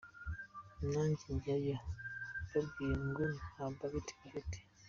Nanjye njyayo bambwiye ko nta budget bafite".